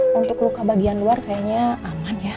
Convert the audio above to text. kalau untuk luka bagian luar kayaknya aman ya